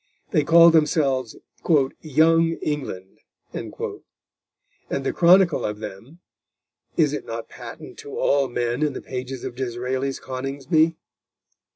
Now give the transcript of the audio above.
They called themselves "Young England," and the chronicle of them is it not patent to all men in the pages of Disraeli's Coningsby?